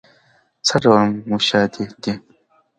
څه ډول موشادې دي؟